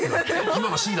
今の「Ｃ」だ